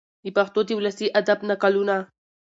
د پښتو د ولسي ادب نکلونه،